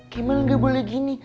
kemal gak boleh gini